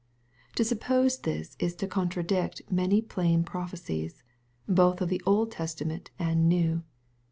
To suppose this is to contradict many plain prophecies, both of the Old Testament and New.